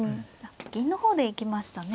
銀の方で行きましたね。